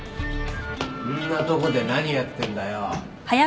んなとこで何やってんだよ？